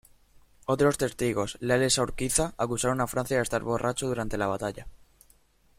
Otros testigos, leales a Urquiza, acusaron a Francia de estar borracho durante la batalla.